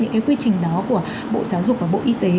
những cái quy trình đó của bộ giáo dục và bộ y tế